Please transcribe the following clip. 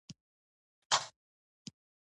هغه په خپل کار کې بریالی شو او خوشحاله ده